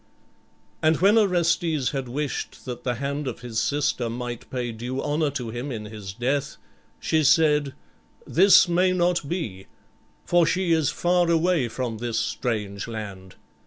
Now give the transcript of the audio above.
And when Orestes had wished that the hand of his sister might pay due honor to him in his death, she said, "This may not be, for she is far away from this strange land.